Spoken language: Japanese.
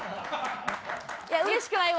いやうれしくないわ。